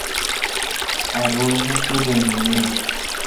Harrogate, Reino Unido.